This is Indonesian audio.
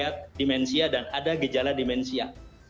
ada dimensia dan ada gejala dimensia